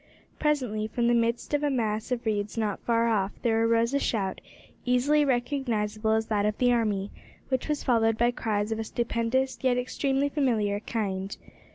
Presently, from the midst of a mass of reeds not far off, there arose a shout, easily recognisable as that of the army, which was followed by cries of a stupendous, yet extremely familiar, kind.